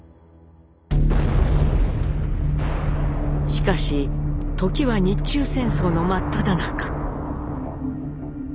しかし時は日中戦争の真っただ中。